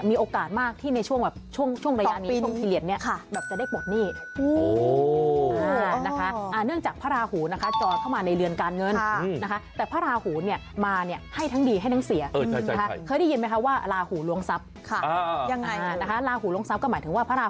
มีโอกาสมากที่ในช่วงระยะนี้ช่วงทีเรียน